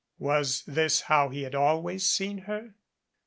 Was this how he had always seen her?